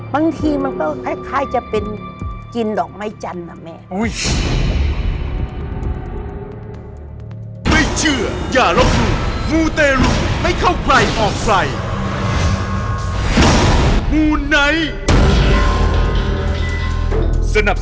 บางทีมันก็คล้ายจะเป็นกินดอกไม้จันทร์นะแม่